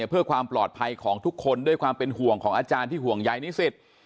เพื่อความปลอดภัยของทุกคนด้วยความเป็นห่วงของอาจารย์ที่ห่วงใยนิสิต